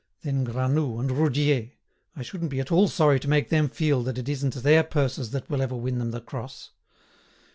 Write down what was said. Then Granoux and Roudier; I shouldn't be at all sorry to make them feel that it isn't their purses that will ever win them the cross.